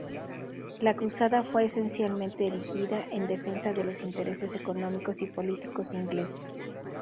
La cruzada fue esencialmente erigida en defensa de los intereses económicos y políticos ingleses.